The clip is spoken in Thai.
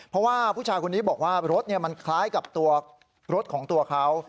เพราะว่าผู้ชายคนนี้บอกว่ารถมันคล้ายกับตัวรถของตัวเขา